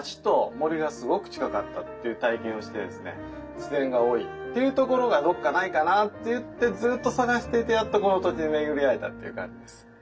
自然が多いというところがどっかないかなと言ってずっと探しててやっとこの土地に巡り合えたという感じです。